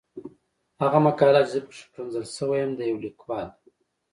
هغه مقاله چې زه پکې ښکنځل شوی یم د يو ليکوال ده.